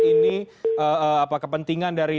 ini apa kepentingan dari